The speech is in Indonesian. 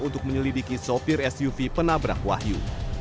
untuk menyelidiki sopir suv penabrak wahyu